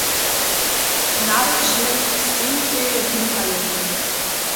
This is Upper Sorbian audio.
Nade wšěm stejitej wuprajeni.